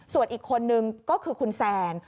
ส่วนอีกคนนึงก็คือคุณแซน